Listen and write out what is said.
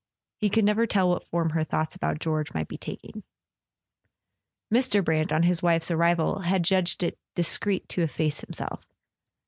He could never tell what form her thoughts about George might be taking. Mr. Brant, on his wife's arrival, had judged it dis¬ creet to efface himself.